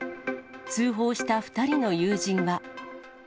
通報した２人の友人は。